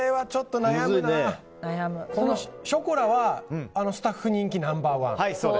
ショコラはスタッフ人気ナンバー１だと。